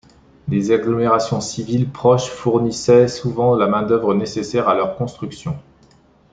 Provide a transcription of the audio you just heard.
Les agglomérations civiles proches fournissaient souvent la main-d'œuvre nécessaire à leur construction.